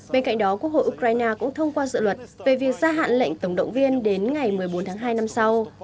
bên cạnh đó quốc hội ukraine cũng thông qua dự luật về việc gia hạn lệnh tổng động viên đến ngày một mươi bốn tháng hai năm sau